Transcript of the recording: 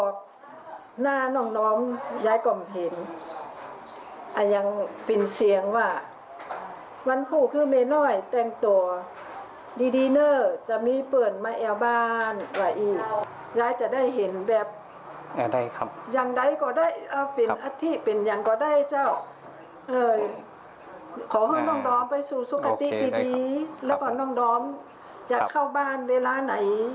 ขอให้น้องดอมไปสู่สุขติดีแล้วก็น้องดอมจะเข้าบ้านเวลาไหน